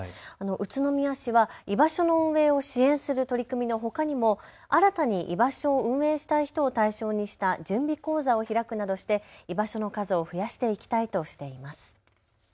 宇都宮市は居場所の運営を支援する取り組みのほかにも新たに居場所を運営したい人を対象にした準備講座を開くなどして居場所の数を増やしていきたいとしています。